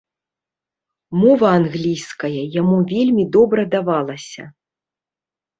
Мова англійская яму вельмі добра давалася.